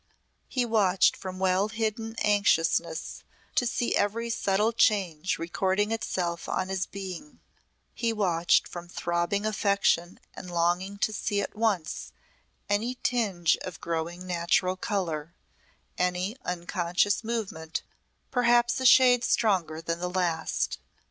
He watched from well hidden anxiousness to see every subtle change recording itself on his being; he watched from throbbing affection and longing to see at once any tinge of growing natural colour, any unconscious movement perhaps a shade stronger than the last.